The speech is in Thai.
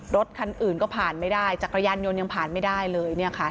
รถคันอื่นก็ผ่านไม่ได้จักรยานยนต์ยังผ่านไม่ได้เลยเนี่ยค่ะ